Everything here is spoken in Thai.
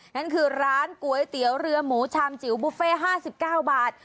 นั่นคือร้านก๋วยเตี๋ยวเรือหมูชามจิ๋วบุฟเฟ่๕๙บาท